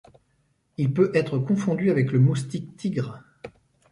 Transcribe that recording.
Il peut être confondu avec le moustique tigre.